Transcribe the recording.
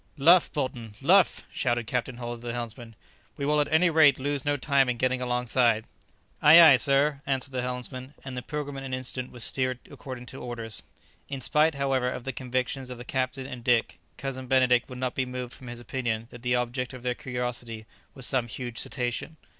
"Luff, Bolton, luff!" shouted Captain Hull to the helmsman; "we will at any rate lose no time in getting alongside." "Ay, ay, sir," answered the helmsman, and the "Pilgrim" in an instant was steered according to orders. In spite, however, of the convictions of the captain and Dick, Cousin Benedict would not be moved from his opinion that the object of their curiosity was some huge cetacean.